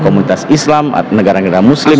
komunitas islam negara negara muslim